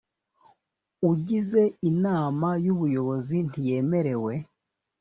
ugize inama y ubuyobozi ntiyemerewe